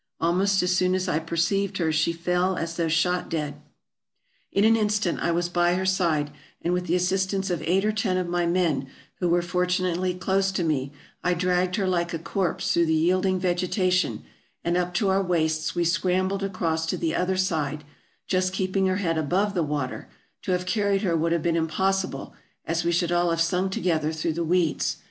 Almost as soon as I perceived her she fell as though shot dead. In an instant I was by her side, and with the assistance of eight or ten of my men, who were fortunately close to me, I dragged her like a corpse through the yielding vege tation, and up to our waists we scrambled across to the other side, just keeping her head above the water ; to have carried her would have been impossible, as we should all have sunk together through the weeds.